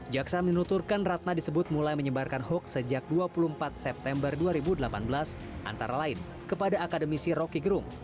jaksa menuturkan ratna disebut mulai menyebarkan hoax sejak dua puluh empat september dua ribu delapan belas antara lain kepada akademisi roky gerung